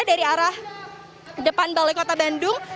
dari arah depan balai kota bandung